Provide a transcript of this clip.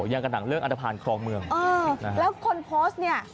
อย่างกับหนังเรื่องอันตภัณฑ์ครองเมืองเออแล้วคนโพสต์เนี่ย